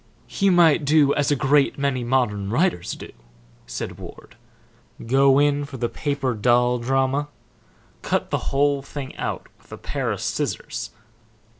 "He might do as a great many modern writers do," said Ward; "go in for the Paper doll Drama. Cut the whole thing out with a pair of scissors.